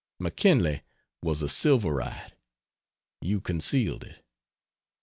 McKinley was a silverite you concealed it.